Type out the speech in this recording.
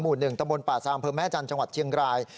๑ตะบนป่าซามเภอแม่จันทร์จังหวัดเชียงราย